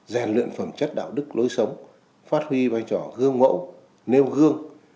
rèn luyện phẩm chất đạo đức lối sống phát huy vai trò gương mẫu nêu gương